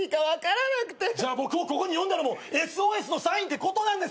僕をここに呼んだのもＳＯＳのサインってことですよね。